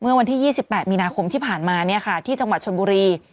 เมื่อวันที่๒๘มีนาคมที่ผ่านมาเนี่ยค่ะที่จังหวัดชนบุรี